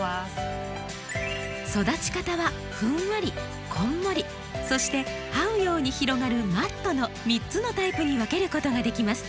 育ち方はふんわりこんもりそしてはうように広がるマットの３つのタイプに分けることができます。